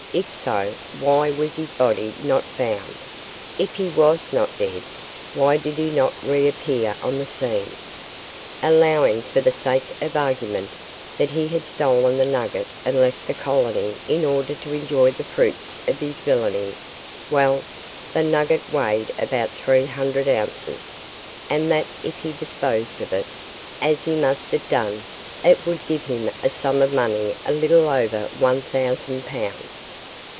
If so, why was his body not found; if he was not dead, why did he not reappear on the scene. Allowing, for the sake of argument, that he had stolen the nugget and left the colony in order to enjoy the fruits of his villainy well, the nugget weighed about three hundred ounces and that if he disposed of it, as he must have done, it would give him a sum of money a little over one thousand pounds.